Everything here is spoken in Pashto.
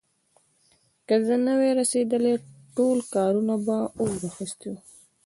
که زه نه وای رسېدلی، ټول کور به اور اخيستی و.